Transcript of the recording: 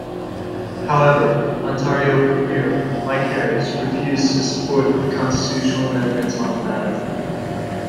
However, Ontario Premier Mike Harris refused to support a constitutional amendment on the matter.